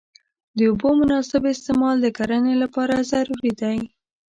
د اوبو مناسب استعمال د کرنې لپاره ضروري دی.